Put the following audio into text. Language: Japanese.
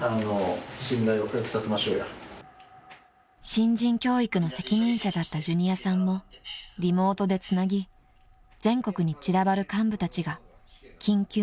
［新人教育の責任者だったジュニアさんもリモートでつなぎ全国に散らばる幹部たちが緊急の対策会議です］